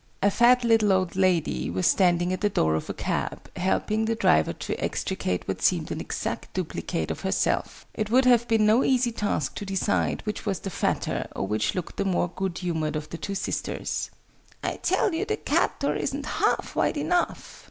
A fat little old lady was standing at the door of a cab, helping the driver to extricate what seemed an exact duplicate of herself: it would have been no easy task to decide which was the fatter, or which looked the more good humoured of the two sisters. "I tell you the cab door isn't half wide enough!"